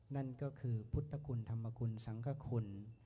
นั่นก็คือพุทธคุณธรรมคุณสังคคุณ